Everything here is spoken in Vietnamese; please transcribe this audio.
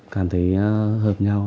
cảm thấy hợp nhau